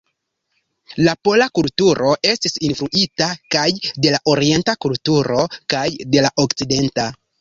La pola kulturo estis influita kaj de la orienta kulturo kaj de la okcidenta.